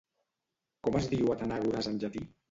Com es diu Atenàgores en llatí?